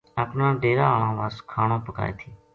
اپنا ڈیرا ہالاں وَس کھانو پکائے تھی